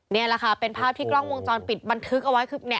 นี่แหละค่ะเป็นภาพที่กล้องวงจรปิดบันทึกเอาไว้คือเนี่ย